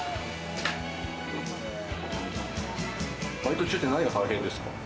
バイト中って何が大変ですか？